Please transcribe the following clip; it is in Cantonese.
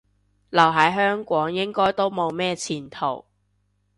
留喺香港應該都冇咩前途